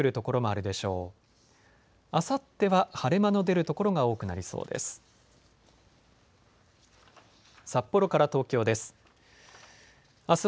あさっては晴れ間の出る所が多くなりそうです。